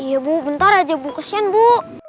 iya bu bentar aja bu kesien bu